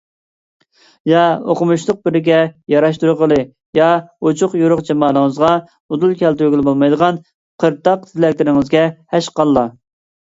يا ئوقۇمۇشلۇق بىرىگە ياراشتۇرغىلى ياكى ئوچۇق - يورۇق جامالىڭىزغا ئۇدۇل كەلتۈرگىلى بولمايدىغان قىرتاق تىلەكلىرىڭىزگە ھەشقاللا!